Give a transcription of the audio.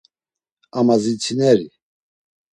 Amadzitsineri.